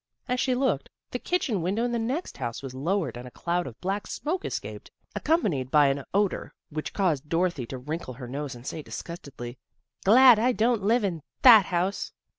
As she looked, the kitchen window in the next house was lowered and a cloud of black smoke escaped, accompanied by an odor which caused Dorothy to wrinkle her nose and say disgustedly, " Glad I don't live in that house."